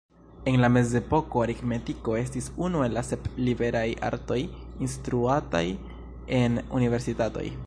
En la Mezepoko, aritmetiko estis unu el la sep liberaj artoj instruataj en universitatoj.